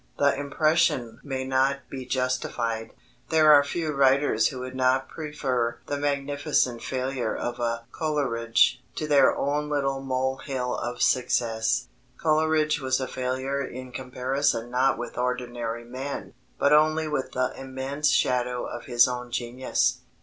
The impression may not be justified. There are few writers who would not prefer the magnificent failure of a Coleridge to their own little mole hill of success. Coleridge was a failure in comparison not with ordinary men, but only with the immense shadow of his own genius.